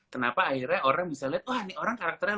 kenapa akhirnya orang bisa liat wah nih orang karakternya